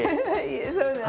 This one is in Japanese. そうだね。